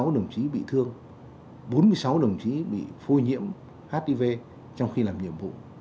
sáu đồng chí bị thương bốn mươi sáu đồng chí bị phôi nhiễm hiv trong khi làm nhiệm vụ